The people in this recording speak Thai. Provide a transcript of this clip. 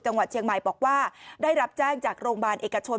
จังหวัดเชียงใหม่บอกว่าได้รับแจ้งจากโรงพยาบาลเอกชน